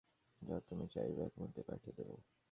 যা তুমি চাইবে এক মুহূর্তে পাঠিয়ে দেব।